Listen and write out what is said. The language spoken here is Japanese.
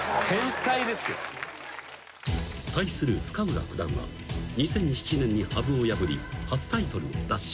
［対する深浦九段は２００７年に羽生を破り初タイトルを奪取］